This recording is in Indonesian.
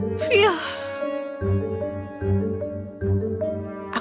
aku lebih suka rambut panjang